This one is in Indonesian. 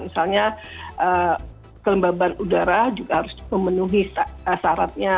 misalnya kelembaban udara juga harus memenuhi syaratnya